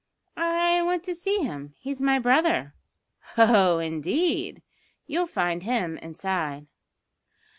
"I want to see him. He's my brother." "Oh, indeed! You'll find him inside."